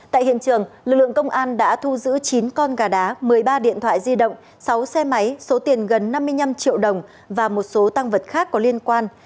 tại hiện trường lực lượng công an đã thu giữ chín con gà đá một mươi ba điện thoại di động sáu xe máy số tiền gần năm mươi năm triệu đồng và một số tăng vật khác có liên quan